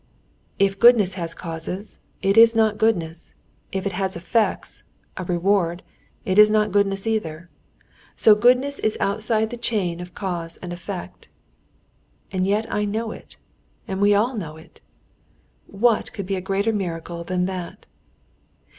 "If goodness has causes, it is not goodness; if it has effects, a reward, it is not goodness either. So goodness is outside the chain of cause and effect. "And yet I know it, and we all know it. "What could be a greater miracle than that?